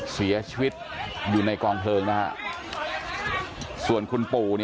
เสียชีวิตอยู่ในกองเพลิงนะฮะส่วนคุณปู่